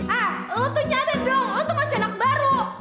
hah lo tuh nyadar dong lo tuh masih anak baru